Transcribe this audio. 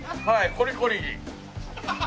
コリコリ。